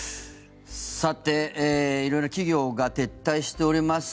さて、色々な企業が撤退しております。